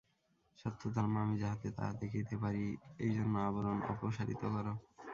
সত্যধর্মা আমি যাহাতে তাহা দেখিতে পারি, এই জন্য আবরণ অপসারিত কর।